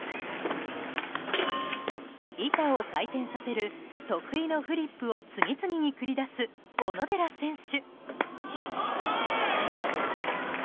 板を回転させる得意のフリップを次々に繰り出す小野寺選手。